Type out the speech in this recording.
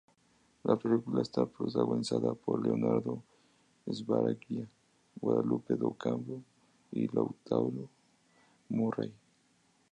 La película está protagonizada por Leonardo Sbaraglia, Guadalupe Docampo y Lautaro Murray.